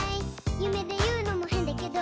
「ゆめでいうのもへんだけど」